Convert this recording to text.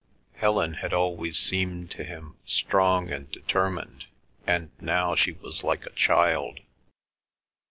Helen had always seemed to him strong and determined, and now she was like a child.